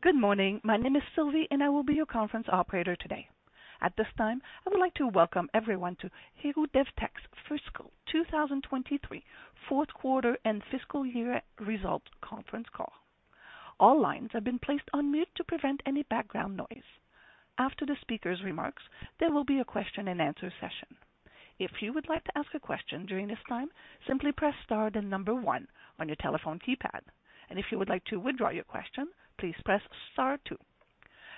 Good morning. My name is Sylvie, and I will be your conference operator today. At this time, I would like to welcome everyone to Héroux-Devtek's Fiscal 2023 fourth quarter and fiscal year results conference call. All lines have been placed on mute to prevent any background noise. After the speaker's remarks, there will be a question-and-answer session. If you would like to ask a question during this time, simply press star then number one on your telephone keypad. If you would like to withdraw your question, please press star two.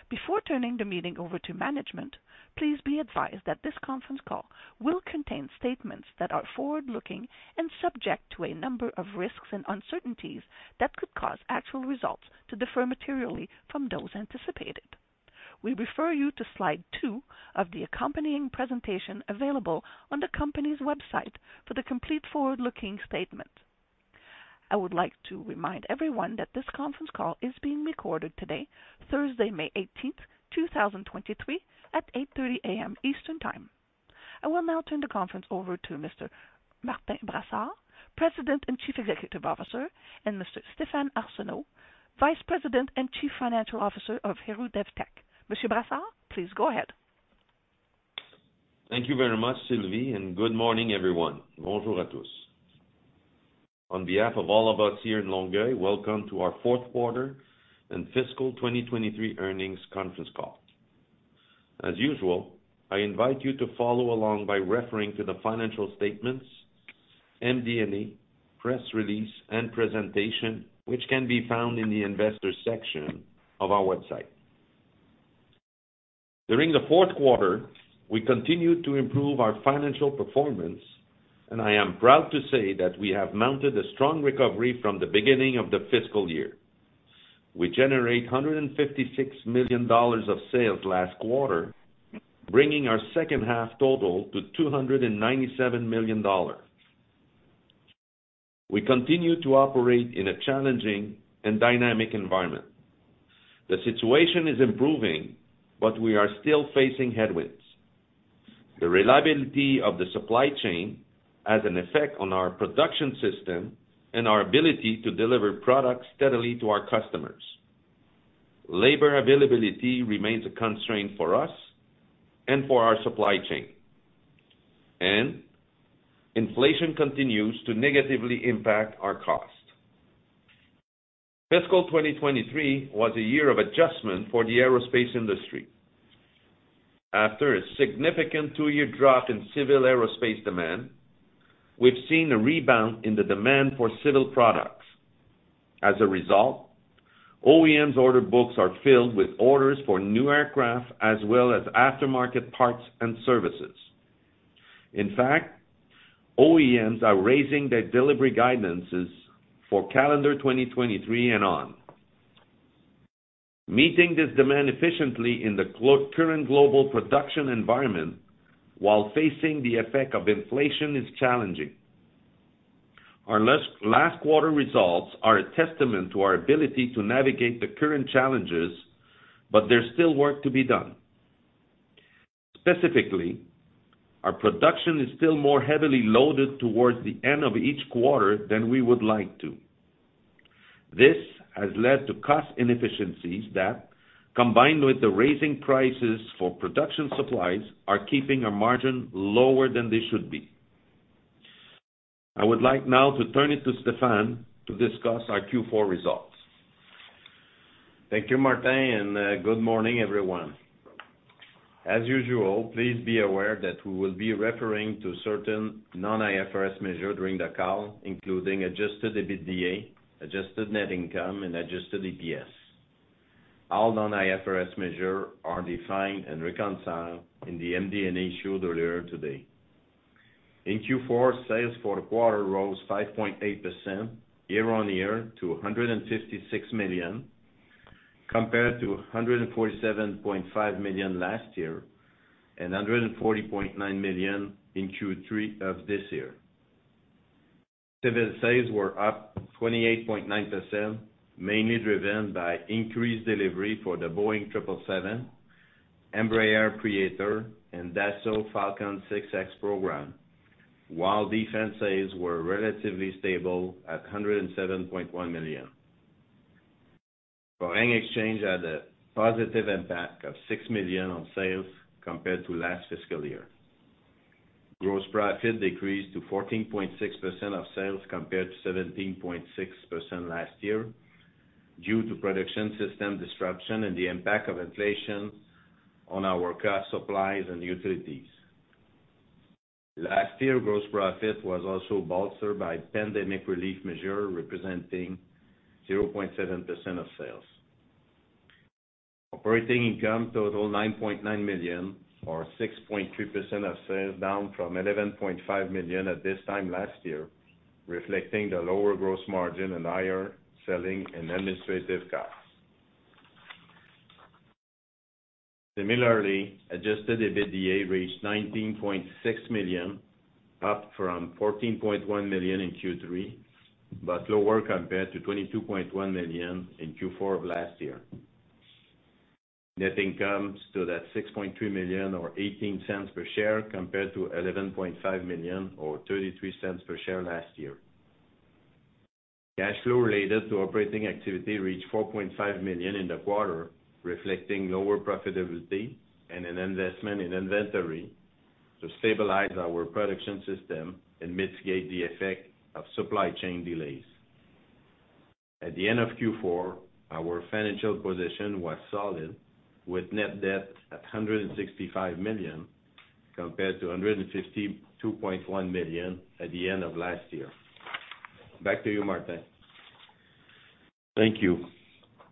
Before turning the meeting over to management, please be advised that this conference call will contain statements that are forward-looking and subject to a number of risks and uncertainties that could cause actual results to differ materially from those anticipated. We refer you to slide 2 of the accompanying presentation available on the company's website for the complete forward-looking statement. I would like to remind everyone that this conference call is being recorded today, Thursday, May 18th, 2023, at 8:30 A.M. Eastern Time. I will now turn the conference over to Mr. Martin Brassard, President and Chief Executive Officer, and Mr. Stéphane Arsenault, Vice President and Chief Financial Officer of Héroux-Devtek. Mr. Brassard, please go ahead. Thank you very much, Sylvie, and good morning, everyone. Bonjour a tous. On behalf of all of us here in Longueuil, welcome to our fourth quarter and fiscal 2023 earnings conference call. As usual, I invite you to follow along by referring to the financial statements, MD&A, press release, and presentation, which can be found in the investors section of our website. During the fourth quarter, we continued to improve our financial performance, and I am proud to say that we have mounted a strong recovery from the beginning of the fiscal year. We generate 156 million dollars of sales last quarter, bringing our second half total to 297 million dollars. We continue to operate in a challenging and dynamic environment. The situation is improving, but we are still facing headwinds. The reliability of the supply chain has an effect on our production system and our ability to deliver products steadily to our customers. Labor availability remains a constraint for us and for our supply chain, and inflation continues to negatively impact our cost. Fiscal 2023 was a year of adjustment for the aerospace industry. After a significant two-year drop in civil aerospace demand, we've seen a rebound in the demand for civil products. As a result, OEMs order books are filled with orders for new aircraft as well as aftermarket parts and services. In fact, OEMs are raising their delivery guidances for calendar 2023 and on. Meeting this demand efficiently in the current global production environment while facing the effect of inflation is challenging. Our last quarter results are a testament to our ability to navigate the current challenges, but there's still work to be done. Specifically, our production is still more heavily loaded towards the end of each quarter than we would like to. This has led to cost inefficiencies that, combined with the raising prices for production supplies, are keeping our margin lower than they should be. I would like now to turn it to Stéphane to discuss our Q4 results. Thank you, Martin, and good morning, everyone. As usual, please be aware that we will be referring to certain non-IFRS measures during the call, including adjusted EBITDA, adjusted net income, and adjusted EPS. All non-IFRS measures are defined and reconciled in the MD&A issued earlier today. In Q4, sales for the quarter rose 5.8% year-on-year to 156 million, compared to 147.5 million last year and 140.9 million in Q3 of this year. Civil sales were up 28.9%, mainly driven by increased delivery for the Boeing 777, Embraer Praetor, and Dassault Falcon 6X program, while defense sales were relatively stable at 107.1 million. Foreign exchange had a positive impact of 6 million on sales compared to last fiscal year. Gross profit decreased to 14.6% of sales compared to 17.6% last year due to production system disruption and the impact of inflation on our cost supplies and utilities. Last year, gross profit was also bolstered by pandemic relief measure representing 0.7% of sales. Operating income totaled 9.9 million, or 6.2% of sales, down from 11.5 million at this time last year, reflecting the lower gross margin and higher selling and administrative costs. Similarly, adjusted EBITDA reached 19.6 million, up from 14.1 million in Q3, but lower compared to 22.1 million in Q4 of last year. Net income stood at 6.3 million or 0.18 per share compared to 11.5 million or 0.33 per share last year. Cash flow related to operating activity reached 4.5 million in the quarter, reflecting lower profitability and an investment in inventory to stabilize our production system and mitigate the effect of supply chain delays. At the end of Q4, our financial position was solid, with net debt at 165 million compared to 152.1 million at the end of last year. Back to you, Martin. Thank you.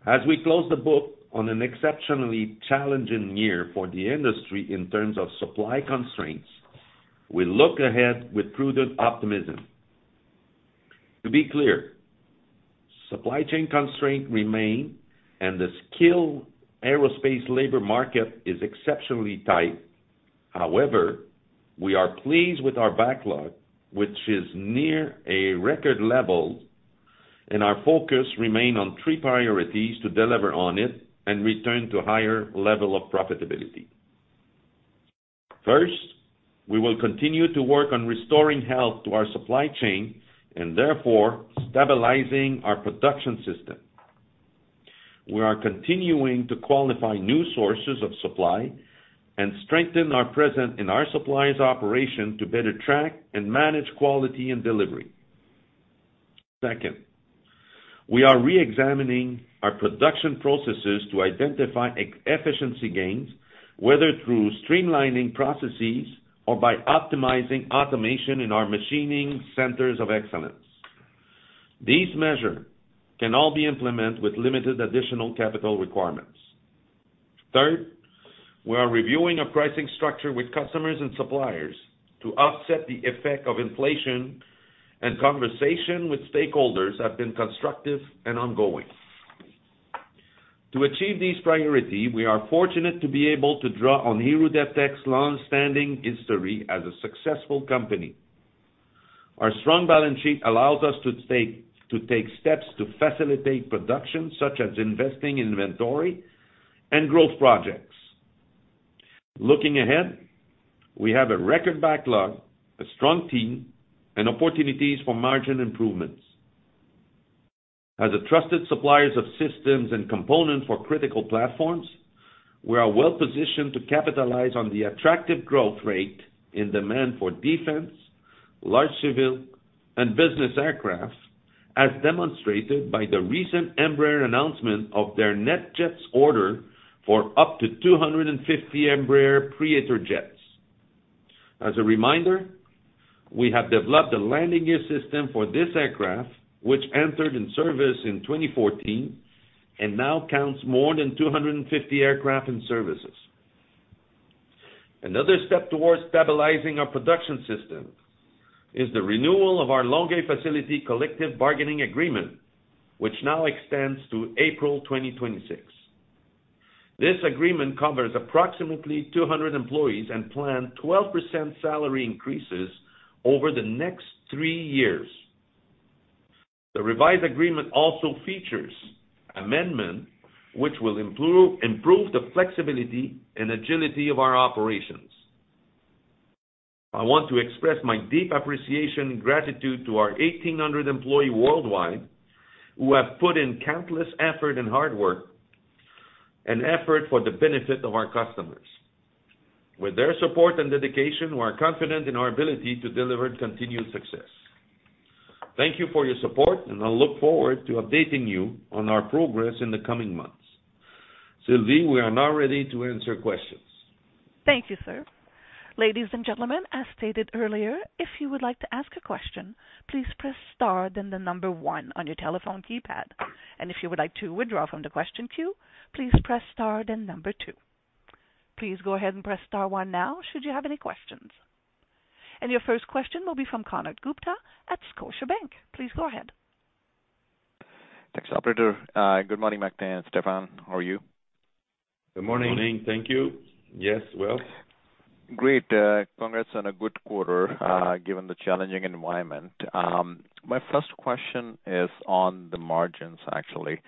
As we close the book on an exceptionally challenging year for the industry in terms of supply constraints, we look ahead with prudent optimism. To be clear, supply chain constraints remain, and the skill aerospace labor market is exceptionally tight. However, we are pleased with our backlog, which is near a record level, and our focus remain on three priorities to deliver on it and return to higher level of profitability. First, we will continue to work on restoring health to our supply chain and therefore stabilizing our production system. We are continuing to qualify new sources of supply and strengthen our presence in our suppliers' operation to better track and manage quality and delivery. Second, we are re-examining our production processes to identify efficiency gains, whether through streamlining processes or by optimizing automation in our machining centers of excellence. These measure can all be implemented with limited additional capital requirements. Third, we are reviewing a pricing structure with customers and suppliers to offset the effect of inflation, conversation with stakeholders have been constructive and ongoing. To achieve these priority, we are fortunate to be able to draw on Héroux-Devtek's long-standing history as a successful company. Our strong balance sheet allows us to take steps to facilitate production, such as investing inventory and growth projects. Looking ahead, we have a record backlog, a strong team, and opportunities for margin improvements. As a trusted suppliers of systems and components for critical platforms, we are well-positioned to capitalize on the attractive growth rate in demand for defense, large civil and business aircraft, as demonstrated by the recent Embraer announcement of their NetJets order for up to 250 Embraer Praetor jets. As a reminder, we have developed a landing gear system for this aircraft, which entered in service in 2014 and now counts more than 250 aircraft in services. Another step towards stabilizing our production system is the renewal of our Longueuil facility collective bargaining agreement, which now extends to April 2026. This agreement covers approximately 200 employees and plan 12% salary increases over the next 3 years. The revised agreement also features amendment which will improve the flexibility and agility of our operations. I want to express my deep appreciation and gratitude to our 1,800 employee worldwide who have put in countless effort and hard work for the benefit of our customers. With their support and dedication, we are confident in our ability to deliver continued success. Thank you for your support. I look forward to updating you on our progress in the coming months. Sylvie, we are now ready to answer questions. Thank you, sir. Ladies and gentlemen, as stated earlier, if you would like to ask a question, please press * then the 1 on your telephone keypad. If you would like to withdraw from the question queue, please press star then 2. Please go ahead and press star one now should you have any questions. Your first question will be from Konark Gupta at Scotiabank. Please go ahead. Thanks, operator. good morning, Martin Brassard and Stéphane Arsenault. How are you? Good morning. Good morning. Thank you. Yes, well. Great, congrats on a good quarter, given the challenging environment. My first question is on the margins, actually.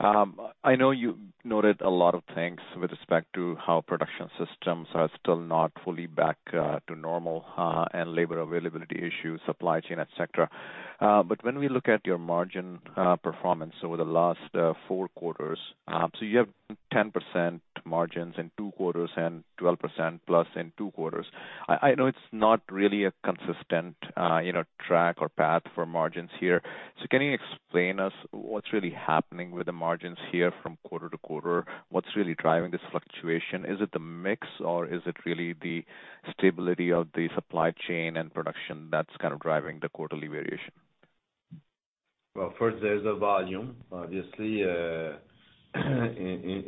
I know you noted a lot of things with respect to how production systems are still not fully back to normal, and labor availability issues, supply chain, et cetera. When we look at your margin performance over the last 4 quarters, you have 10% margins in 2 quarters and 12% plus in 2 quarters. I know it's not really a consistent, you know, track or path for margins here. Can you explain us what's really happening with the margins here from quarter to quarter? What's really driving this fluctuation? Is it the mix or is it really the stability of the supply chain and production that's kind of driving the quarterly variation? First there's the volume. Obviously,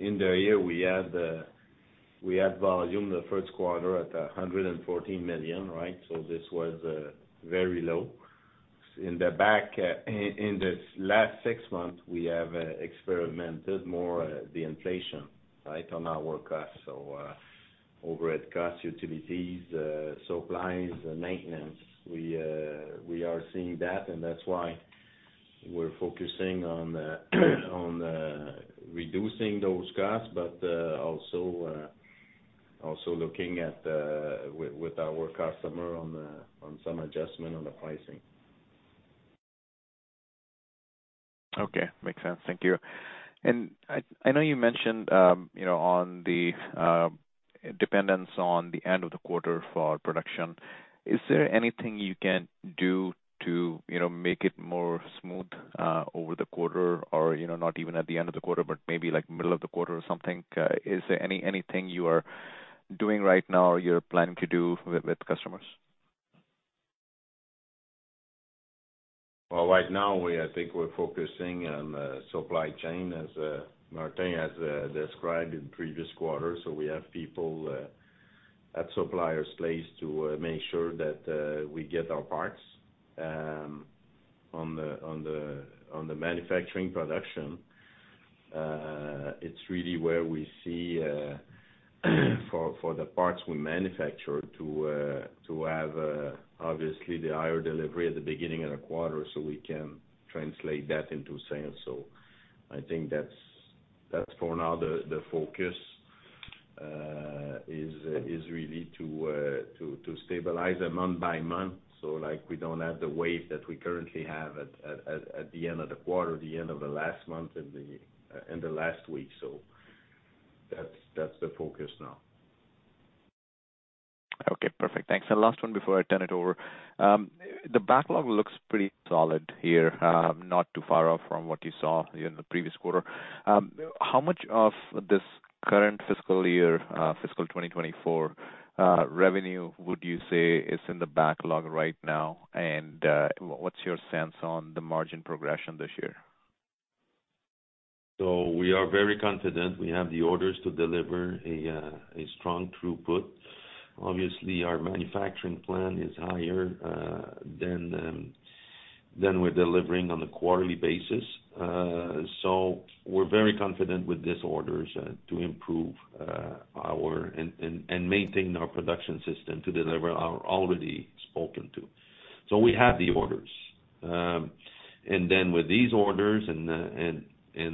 in the year we had, we had volume the first quarter at 114 million, right? This was very low. In the back, in this last six months, we have experimented more the inflation, right? On our work cost. Overhead costs, utilities, supplies, maintenance. We are seeing that, and that's why. We're focusing on reducing those costs, but also looking at with our customer on some adjustment on the pricing. Okay. Makes sense. Thank you. I know you mentioned, you know, on the, dependence on the end of the quarter for production. Is there anything you can do to, you know, make it more smooth, over the quarter or, you know, not even at the end of the quarter, but maybe like middle of the quarter or something? Is there anything you are doing right now or you're planning to do with customers? Right now I think we're focusing on supply chain as Martin has described in previous quarters. We have people at suppliers' place to make sure that we get our parts. On the manufacturing production, it's really where we see for the parts we manufacture to have obviously the higher delivery at the beginning of the quarter, so we can translate that into sales. I think that's for now the focus is really to stabilize it month by month. Like, we don't have the wave that we currently have at the end of the quarter, the end of the last month and the last week. That's the focus now. Okay. Perfect. Thanks. Last one before I turn it over. The backlog looks pretty solid here, not too far off from what you saw in the previous quarter. How much of this current fiscal year, fiscal 2024, revenue would you say is in the backlog right now? What's your sense on the margin progression this year? We are very confident. We have the orders to deliver a strong throughput. Obviously, our manufacturing plan is higher than we're delivering on a quarterly basis. We're very confident with these orders to improve, maintain our production system to deliver our already spoken to. We have the orders. With these orders and a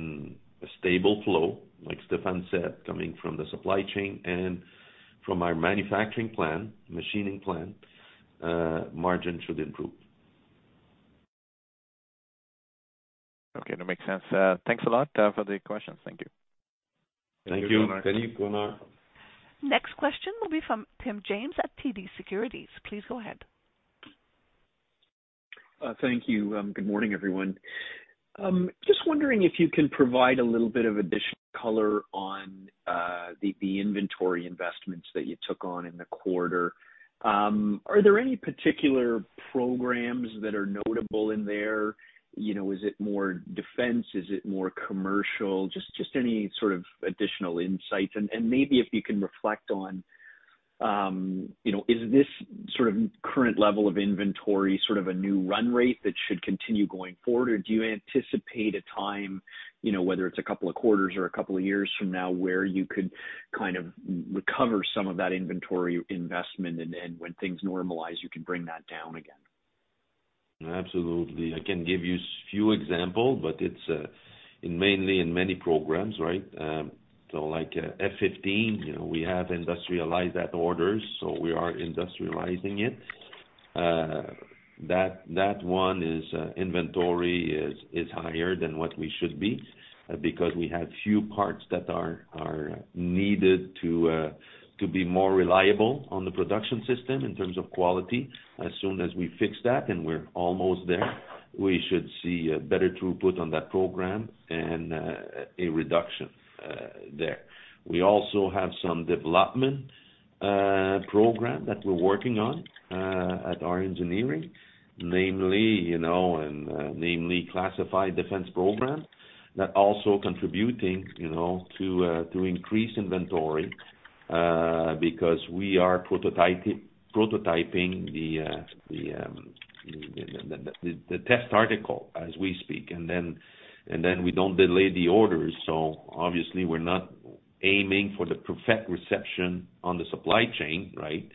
stable flow, like Stéphane said, coming from the supply chain and from our manufacturing plan, machining plan, margin should improve. Okay. That makes sense. Thanks a lot, for the questions. Thank you. Thank you. Thank you. Thank you, Konark. Next question will be from Tim James at TD Securities. Please go ahead. Thank you. Good morning, everyone. Just wondering if you can provide a little bit of additional color on the inventory investments that you took on in the quarter. Are there any particular programs that are notable in there? You know, is it more defense? Is it more commercial? Just any sort of additional insights. Maybe if you can reflect on, you know, is this sort of current level of inventory sort of a new run rate that should continue going forward? Or do you anticipate a time, you know, whether it's a couple of quarters or a couple of years from now, where you could kind of recover some of that inventory investment and then when things normalize, you can bring that down again? Absolutely. I can give you few example, but it's in mainly in many programs, right? Like F-15, you know, we have industrialized that order, so we are industrializing it. That one is inventory is higher than what we should be because we have few parts that are needed to be more reliable on the production system in terms of quality. As soon as we fix that, and we're almost there, we should see a better throughput on that program and a reduction there. We also have some development program that we're working on at our engineering, namely, you know, namely classified defense program that also contributing, you know, to increase inventory because we are prototyping the test article as we speak. We don't delay the orders, obviously we're not aiming for the perfect reception on the supply chain, right?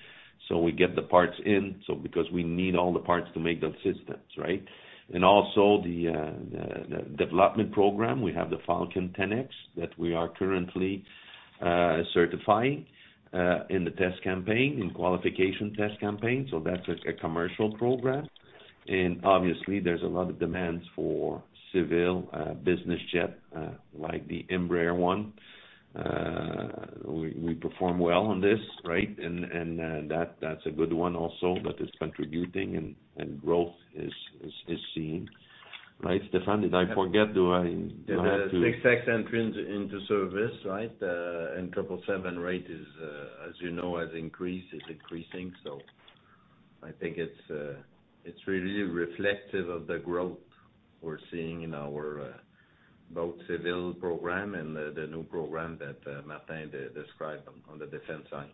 We get the parts in, because we need all the parts to make those systems, right? Also the development program, we have the Falcon 10X that we are currently certifying in the test campaign, in qualification test campaign. That's a commercial program. Obviously, there's a lot of demands for civil business jet, like the Embraer one. We perform well on this, right? That's a good one also, but it's contributing and growth is seen. Right, Stéphane? Did I forget? The 6X entrance into service, right? 777 rate is, as you know, has increased. It's increasing. I think it's really reflective of the growth we're seeing in our both civil program and the new program that Martin Brassard described on the defense side.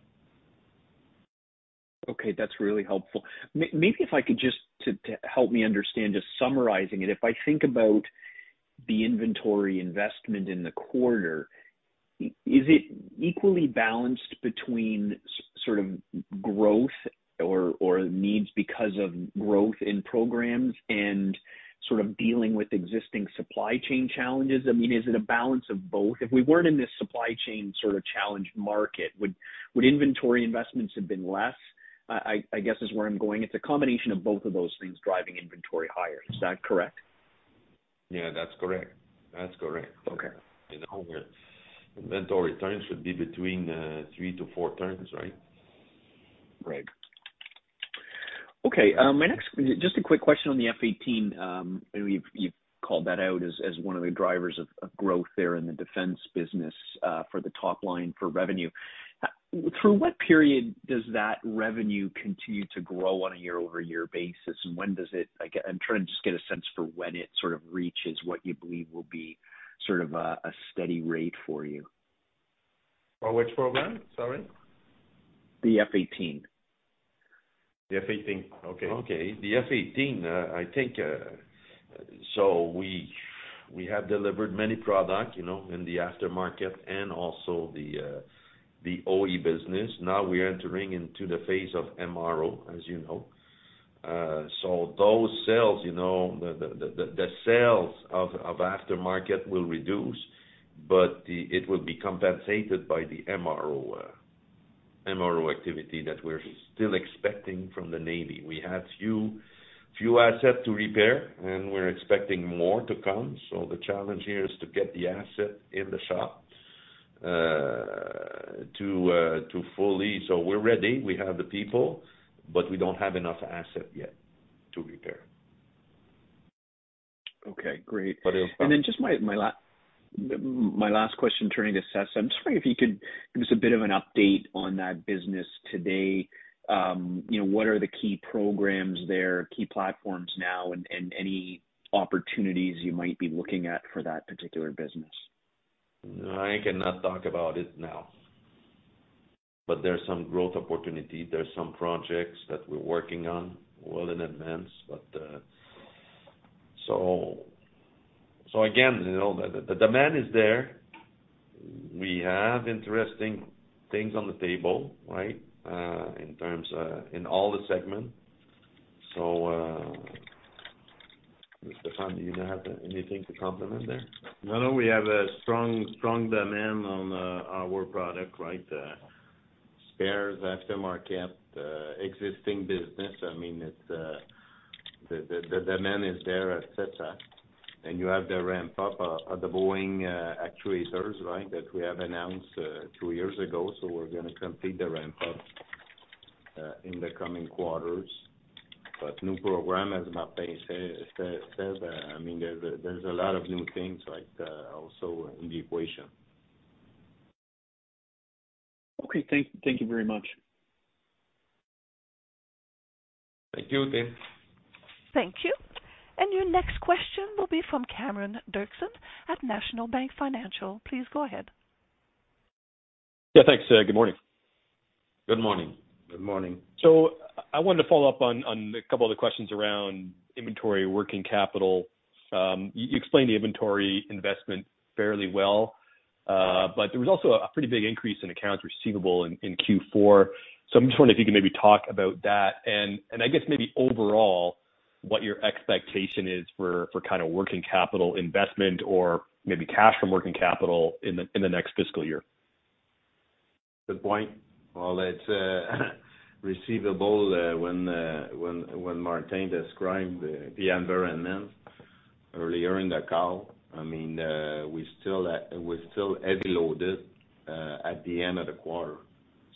Okay. That's really helpful. Maybe if I could just to help me understand, just summarizing it. If I think about-The inventory investment in the quarter, is it equally balanced between sort of growth or needs because of growth in programs and sort of dealing with existing supply chain challenges? I mean, is it a balance of both? If we weren't in this supply chain sort of challenged market, would inventory investments have been less, I guess is where I'm going. It's a combination of both of those things driving inventory higher. Is that correct? That's correct. That's correct. Okay. You know, inventory turns should be between 3-4 turns, right? Right. Okay, Just a quick question on the F-18. You've called that out as one of the drivers of growth there in the defense business, for the top line for revenue. Through what period does that revenue continue to grow on a year-over-year basis? When does it... Like, I'm trying to just get a sense for when it sort of reaches what you believe will be sort of a steady rate for you. For which program? Sorry. The F-18. The F-18. Okay. Okay. The F-18, I think, we have delivered many products, you know, in the aftermarket and also the OE business. Now we are entering into the phase of MRO, as you know. Those sales, you know, the sales of aftermarket will reduce, but the. It will be compensated by the MRO activity that we're still expecting from the Navy. We have few assets to repair, and we're expecting more to come. The challenge here is to get the asset in the shop, to fully. We're ready. We have the people, but we don't have enough asset yet to repair. Okay, great. Just my last question turning to CESA. I'm just wondering if you could give us a bit of an update on that business today. you know, what are the key programs there, key platforms now, and any opportunities you might be looking at for that particular business? No, I cannot talk about it now. There's some growth opportunity. There's some projects that we're working on well in advance. Again, you know, the demand is there. We have interesting things on the table, right? In terms of in all the segments. Stéphane, do you have anything to complement there? No, no. We have a strong demand on our product, right? Spares, aftermarket, existing business. I mean, it's the demand is there at CESA. You have the ramp up of the Boeing actuators, right? That we have announced two years ago. We're gonna complete the ramp up in the coming quarters. New program, as Martin said, I mean, there's a lot of new things, like, also in the equation. Okay. Thank you very much. Thank you, Tim. Thank you. Your next question will be from Cameron Doerksen at National Bank Financial. Please go ahead. Thanks. Good morning. Good morning. Good morning. I wanted to follow up on a couple other questions around inventory working capital. You explained the inventory investment fairly well, but there was also a pretty big increase in accounts receivable in Q4. I'm just wondering if you can maybe talk about that and I guess maybe overall, what your expectation is for kind of working capital investment or maybe cash from working capital in the next fiscal year. Good point. It's receivable when Martin described the environment earlier in the call. I mean, we still, we're still heavy loaded at the end of the quarter.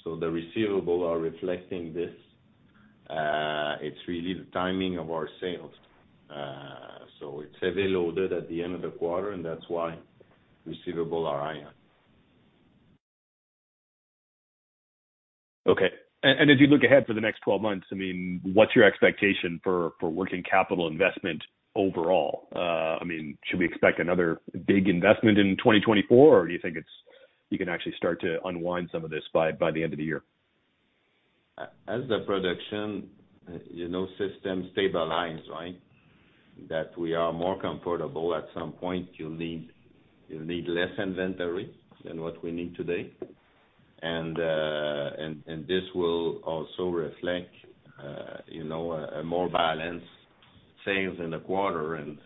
The receivable are reflecting this. It's really the timing of our sales. It's heavy loaded at the end of the quarter, and that's why receivable are higher. Okay. As you look ahead for the next 12 months, I mean, what's your expectation for working capital investment overall? I mean, should we expect another big investment in 2024, or do you think you can actually start to unwind some of this by the end of the year? As the production, you know, system stabilizes, right? That we are more comfortable at some point, you'll need less inventory than what we need today. This will also reflect, you know, a more balanced sales in the quarter and,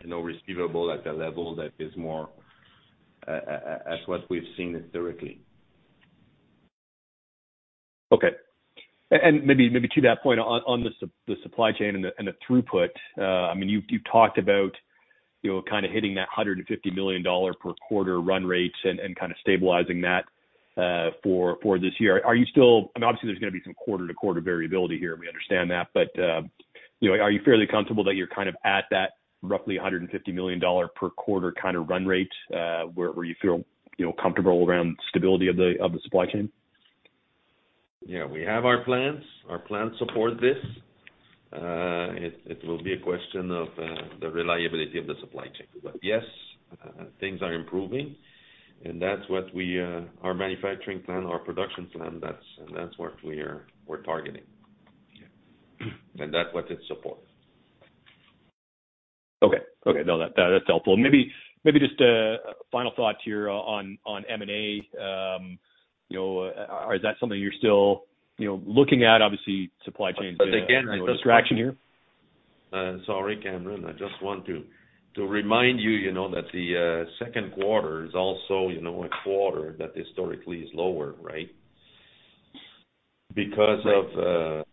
you know, receivable at a level that is more, as what we've seen historically. Okay. Maybe to that point on the supply chain and the throughput, I mean, you've talked about, you know, kind of hitting that 150 million dollar per quarter run rates and kind of stabilizing that for this year. I mean, obviously, there's gonna be some quarter-to-quarter variability here, we understand that. You know, are you fairly comfortable that you're kind of at that roughly 150 million dollar per quarter kind of run rate, where you feel, you know, comfortable around stability of the supply chain? We have our plans. Our plans support this. It will be a question of the reliability of the supply chain. Yes, things are improving, and that's what we, our manufacturing plan, our production plan, that's what we're targeting. That's what it supports. Okay. No, that is helpful. Maybe just a final thought here on M&A. You know, is that something you're still, you know, looking at? Obviously, supply chain distraction here. sorry, Cameron, I just want to remind you know, that the second quarter is also, you know, a quarter that historically is lower, right? Right. Because of,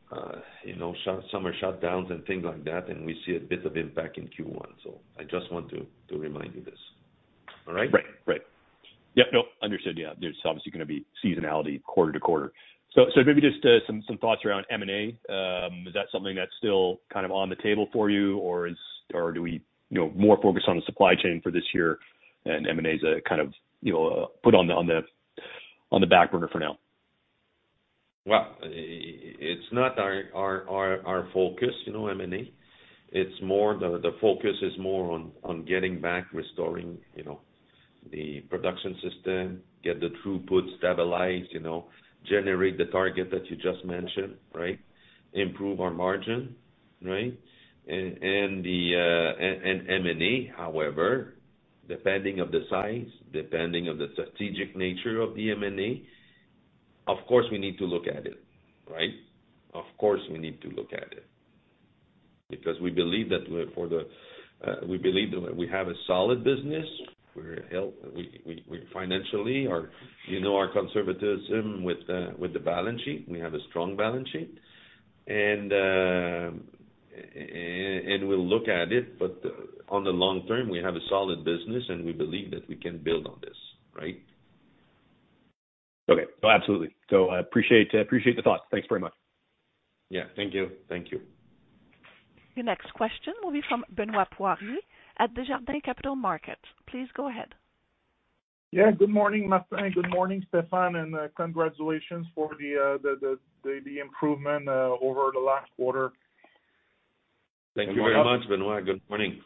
you know, summer shutdowns and things like that, and we see a bit of impact in Q1. I just want to remind you this. All right? Right. Right. Yep, no, understood.. There's obviously gonna be seasonality quarter-over-quarter. Maybe just some thoughts around M&A. Is that something that's still kind of on the table for you, or do we, you know, more focused on the supply chain for this year and M&A's a kind of, you know, put on the back burner for now? Well, it's not our focus, you know, M&A. It's more. The focus is more on getting back, restoring, you know, the production system, get the throughput stabilized, you know, generate the target that you just mentioned, right? Improve our margin, right? M&A, however, depending of the size, depending of the strategic nature of the M&A, of course, we need to look at it, right? Of course, we need to look at it because we believe that for the, we believe that we have a solid business. We're healthy. We financially are, you know, our conservatism with the balance sheet, we have a strong balance sheet. We'll look at it, but on the long term, we have a solid business, and we believe that we can build on this, right? Well, absolutely. I appreciate the thought. Thanks very much. Thank you. Thank you. Your next question will be from Benoit Poirier at Desjardins Capital Markets. Please go ahead. Good morning, Martin. Good morning, Stéphane, congratulations for the improvement over the last quarter. Thank you very much, Benoit. Good morning..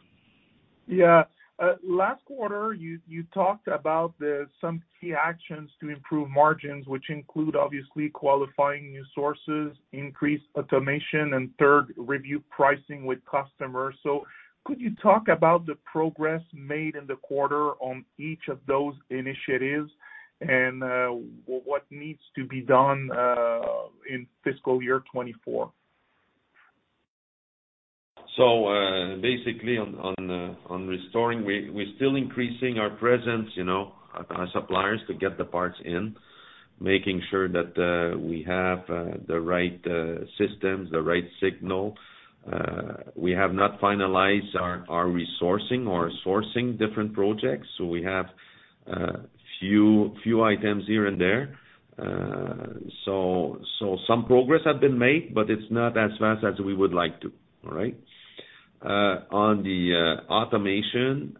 Last quarter, you talked about some key actions to improve margins, which include obviously qualifying new sources, increased automation, and third, review pricing with customers. Could you talk about the progress made in the quarter on each of those initiatives and what needs to be done in fiscal year 2024? Basically on restoring, we're still increasing our presence, you know, our suppliers to get the parts in, making sure that we have the right systems, the right signal. We have not finalized our resourcing or sourcing different projects, so we have few items here and there. Some progress have been made, but it's not as fast as we would like to. All right? On the automation,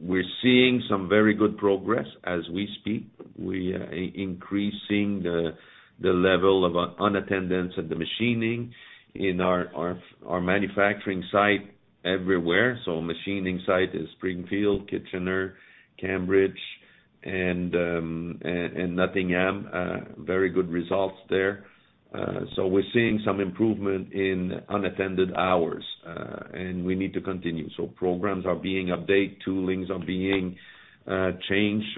we're seeing some very good progress as we speak. We increasing the level of unattendance at the machining in our manufacturing site everywhere. Machining site is Springfield, Kitchener, Cambridge, and Nottingham, very good results there. We're seeing some improvement in unattended hours, and we need to continue. Programs are being updated, toolings are being changed.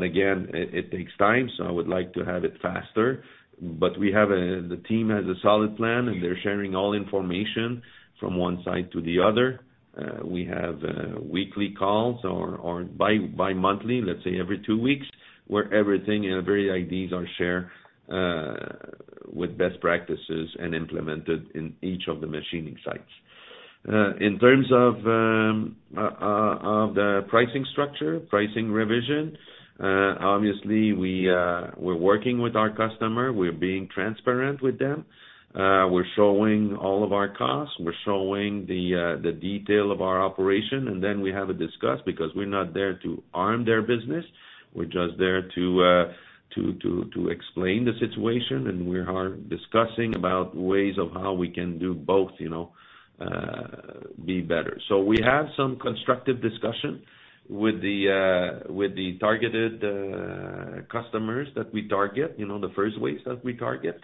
Again, it takes time, so I would like to have it faster. The team has a solid plan, and they're sharing all information from one site to the other. We have weekly calls or bimonthly, let's say every 2 weeks, where everything, you know, very ideas are shared with best practices and implemented in each of the machining sites. In terms of the pricing structure, pricing revision, obviously we're working with our customer. We're being transparent with them. We're showing all of our costs. We're showing the detail of our operation, and then we have a discuss because we're not there to harm their business. We're just there to explain the situation, and we are discussing about ways of how we can do both, you know, be better. We have some constructive discussion with the targeted customers that we target, you know, the first waves that we target.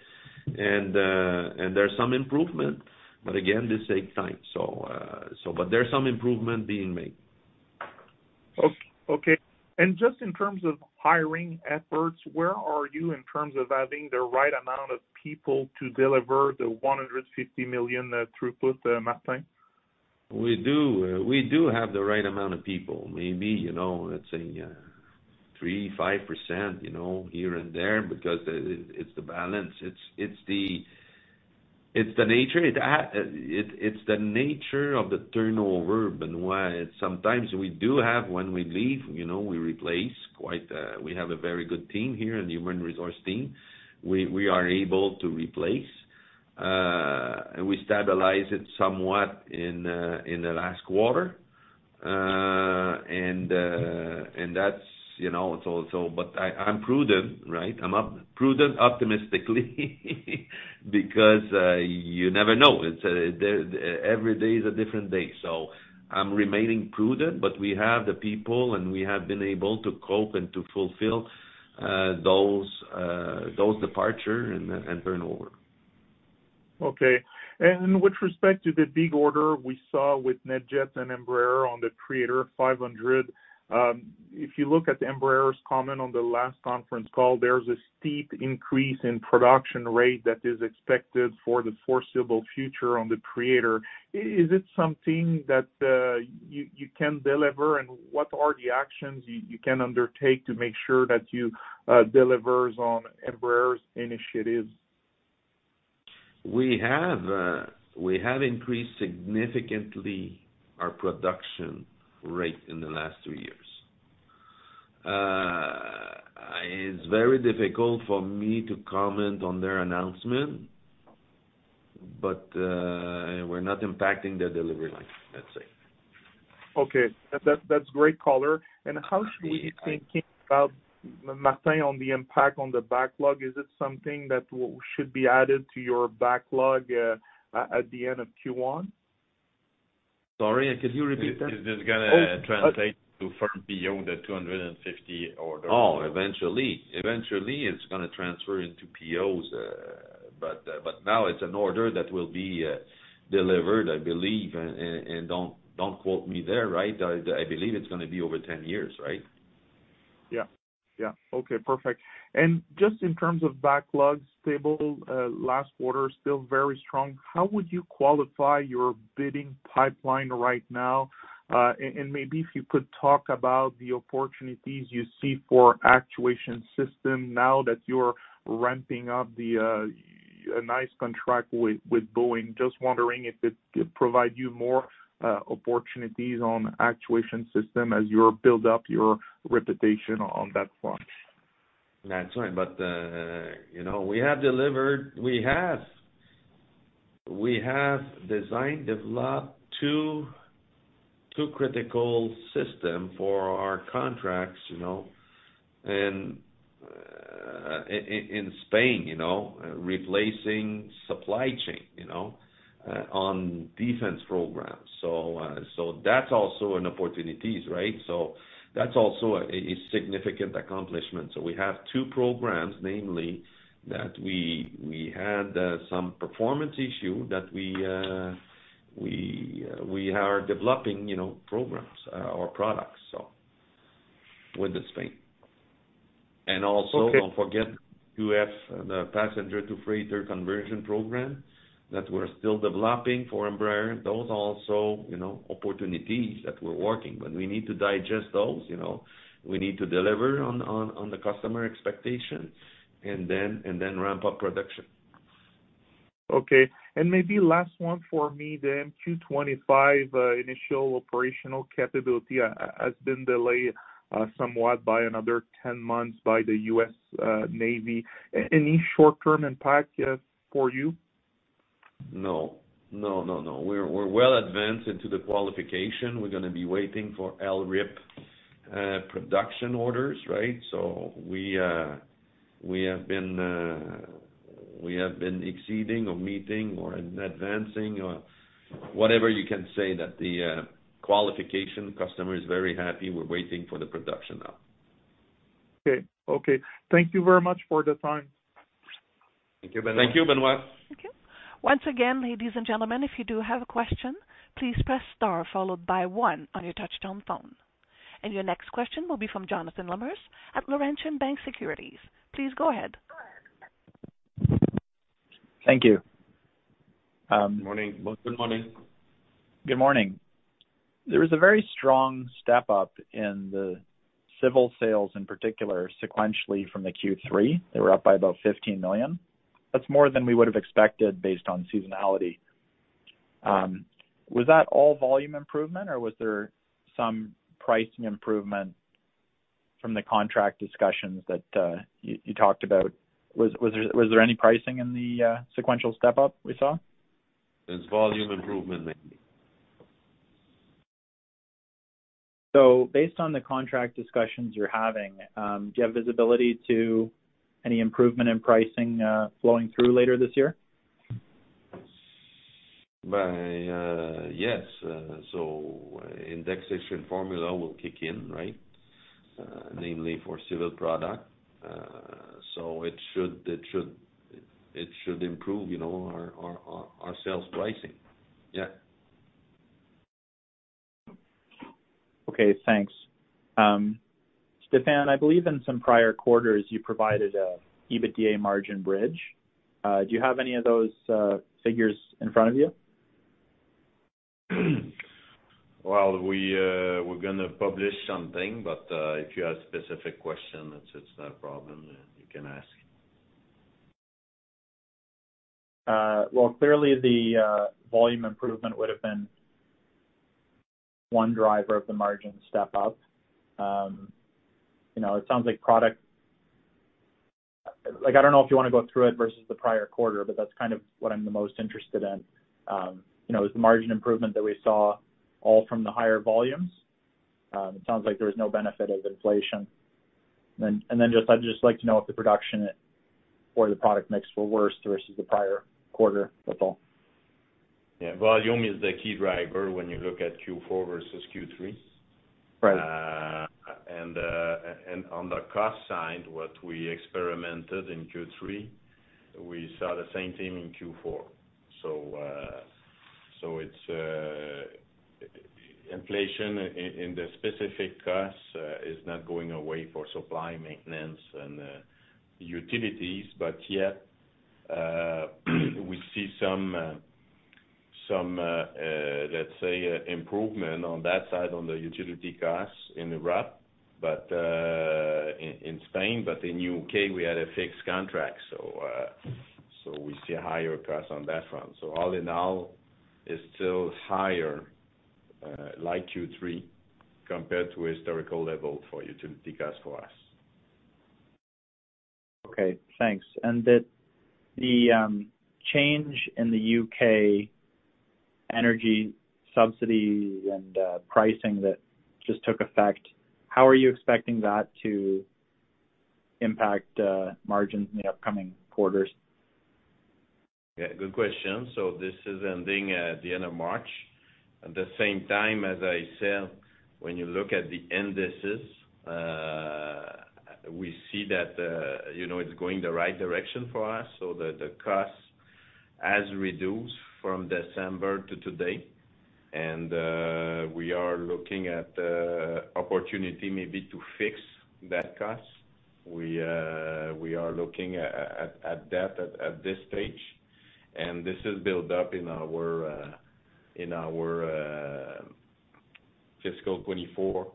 There's some improvement. Again, this take time. There's some improvement being made. Okay. Just in terms of hiring efforts, where are you in terms of having the right amount of people to deliver the 150 million throughput, Martin? We do have the right amount of people. Maybe, you know, let's say, 3%, 5%, you know, here and there because it's the balance. It's the nature. It's the nature of the turnover, Benoit. Sometimes we do have when we leave, you know, we replace quite, we have a very good team here, the human resource team. We, we are able to replace. We stabilize it somewhat in the last quarter. That's, you know, so. I'm prudent, right? I'm prudent optimistically. Because, you never know. It's, every day is a different day. I'm remaining prudent, but we have the people, and we have been able to cope and to fulfill those departure and turnover. Okay. with respect to the big order we saw with NetJets and Embraer on the Praetor 500, if you look at Embraer's comment on the last conference call, there's a steep increase in production rate that is expected for the foreseeable future on the Praetor. Is it something that you can deliver, and what are the actions you can undertake to make sure that you delivers on Embraer's initiatives? We have increased significantly our production rate in the last two years. It's very difficult for me to comment on their announcement, but we're not impacting their delivery line, let's say. Okay. That's, that's great color. How should we be thinking about, Martin, on the impact on the backlog? Is it something that should be added to your backlog at the end of Q1? Sorry, can you repeat that? Is this going to translate to firm PO the 250 order? Eventually. Eventually, it's going to transfer into POs. Now it's an order that will be delivered, I believe, and don't quote me there, right? I believe it's going to be over 10 years, right? Okay, perfect. Just in terms of backlogs stable last quarter, still very strong. How would you qualify your bidding pipeline right now? Maybe if you could talk about the opportunities you see for actuation system now that you're ramping up the a nice contract with Boeing. Just wondering if it could provide you more opportunities on actuation system as you build up your reputation on that front. That's right. You know, we have designed, developed two critical system for our contracts, you know, and, in Spain, you know, replacing supply chain, you know, on defense programs. That's also an opportunities, right? That's also a significant accomplishment. We have two programs, namely that we had some performance issue that we are developing, you know, programs, or products, so with Spain. Okay. Also don't forget, you have the passenger-to-freighter conversion program that we're still developing for Embraer. Those are also, you know, opportunities that we're working. We need to digest those, you know. We need to deliver on the customer expectations and then ramp up production. Okay. Maybe last one for me then. MQ-25, initial operational capability has been delayed, somewhat by another 10 months by the U.S. Navy. Any short-term impact for you? No. No, no. We're well advanced into the qualification. We're gonna be waiting for LRIP production orders, right? We have been exceeding or meeting or advancing or whatever you can say that the qualification customer is very happy. We're waiting for the production now. Okay. Okay. Thank you very much for the time. Thank you, Benoit. Thank you, Benoit. Thank you. Once again, ladies and gentlemen, if you do have a question, please press * followed by 1 on your touchtone phone. Your next question will be from Jonathan Lamers at Laurentian Bank Securities. Please go ahead. Thank you. Morning. Good morning. Good morning. There was a very strong step-up in the civil sales, in particular, sequentially from the Q3. They were up by about 15 million. That's more than we would have expected based on seasonality. Was that all volume improvement or was there some pricing improvement from the contract discussions that you talked about? Was there any pricing in the sequential step up we saw? It's volume improvement mainly. Based on the contract discussions you're having, do you have visibility to any improvement in pricing, flowing through later this year? Yes. Indexation formula will kick in, right? namely for civil product. It should improve, you know, our sales pricing.. Okay, thanks. Stéphane, I believe in some prior quarters you provided a EBITDA margin bridge. Do you have any of those figures in front of you? We're gonna publish something. If you have specific question, it's not a problem. You can ask. Well, clearly the volume improvement would have been one driver of the margin step up. You know, it sounds like, I don't know if you wanna go through it versus the prior quarter, but that's kind of what I'm the most interested in. You know, is the margin improvement that we saw all from the higher volumes? It sounds like there was no benefit of inflation. And then just, I'd just like to know if the production or the product mix were worse versus the prior quarter, that's all. Volume is the key driver when you look at Q4 versus Q3. Right. On the cost side, what we experimented in Q3, we saw the same thing in Q4. It's inflation in the specific costs is not going away for supply, maintenance and utilities. We see some, let's say improvement on that side, on the utility costs in Europe, but in Spain. In U.K., we had a fixed contract, we see higher costs on that front. All in all, it's still higher like Q3 compared to historical level for utility costs for us. Okay, thanks. The change in the U.K. energy subsidies and pricing that just took effect, how are you expecting that to impact margins in the upcoming quarters?, good question. This is ending at the end of March. At the same time, as I said, when you look at the indices, we see that, you know, it's going the right direction for us. The cost has reduced from December to today. We are looking at opportunity maybe to fix that cost. We are looking at that at this stage, and this is built up in our in our fiscal 2024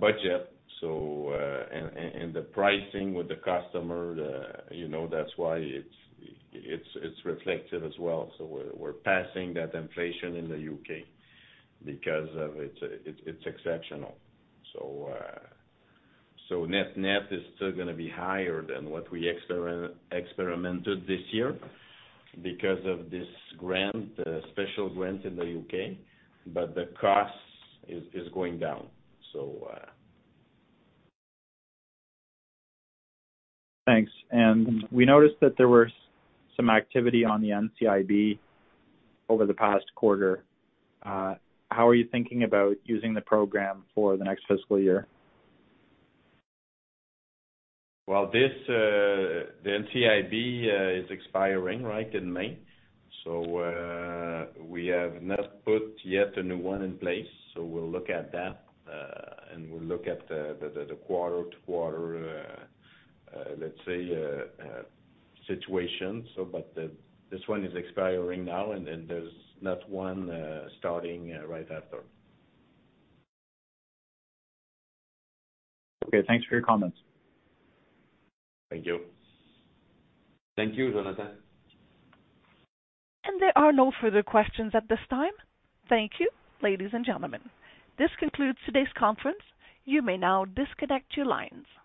budget. The pricing with the customer, the, you know, that's why it's, it's reflected as well. We're passing that inflation in the U.K. because of it's exceptional. so net-net is still gonna be higher than what we experimented this year because of this grant, special grant in the U.K., but the cost is going down, so. Thanks. We noticed that there was some activity on the NCIB over the past quarter. How are you thinking about using the program for the next fiscal year? This, the NCIB, is expiring, right, in May. We have not put yet a new one in place, so we'll look at that, and we'll look at the quarter to quarter, let's say, situation. This one is expiring now and then there's not one starting right after. Okay, thanks for your comments. Thank you. Thank you, Jonathan. There are no further questions at this time. Thank you, ladies and gentlemen. This concludes today's conference. You may now disconnect your lines.